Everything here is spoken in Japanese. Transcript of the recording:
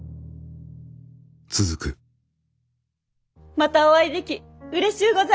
またお会いできうれしゅうございます。